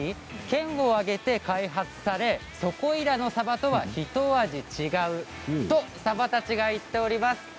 県を挙げて開発されそこらのサバとはひと味違うとサバたちが言っております。